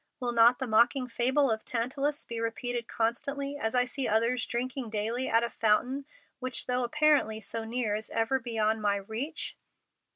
Will not the mocking fable of Tantalus be repeated constantly, as I see others drinking daily at a fountain which though apparently so near is ever beyond my reach?"